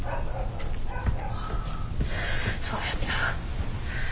あそうやった。